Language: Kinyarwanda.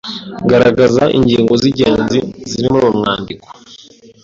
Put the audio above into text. Garagaza ingingo z’ingenzi ziri muri uyu mwandiko